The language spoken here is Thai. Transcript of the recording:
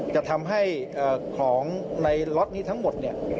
จะทำให้ของในล็อตนี้ทั้งหมดเนี่ย